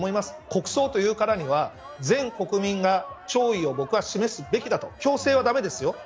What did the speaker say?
国葬というからには、全国民が僕は弔意を示すべきだと強制は駄目ですよ。